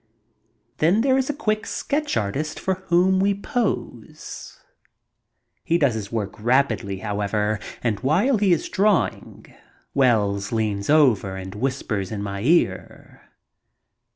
Then there is a quick sketch artist for whom we pose. He does his work rapidly, however, and while he is drawing Wells leans over and whispers in my ear.